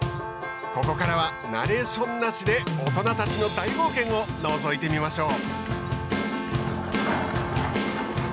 ここからはナレーションなしで大人たちの大冒険をのぞいてみましょう。